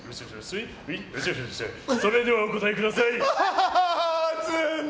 それではお答えください。